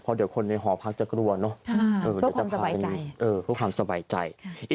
เพราะเดี๋ยวคนในหอพักจะกลัวเนอะเพื่อความสบายใจ